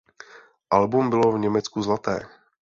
Album bylo v Německu zlaté.